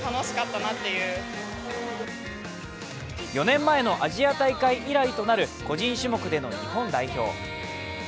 ４年前のアジア大会以来となる個人種目での日本代表。